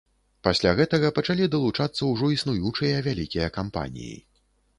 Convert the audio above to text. Пасля гэтага пачалі далучацца ўжо існуючыя вялікія кампаніі.